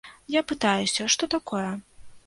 Я пытаюся, што такое?